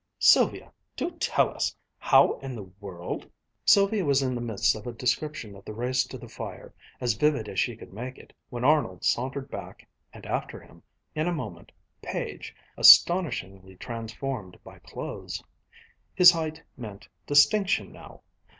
"Sylvia, do tell us how in the world " Sylvia was in the midst of a description of the race to the fire, as vivid as she could make it, when Arnold sauntered back and after him, in a moment, Page, astonishingly transformed by clothes. His height meant distinction now.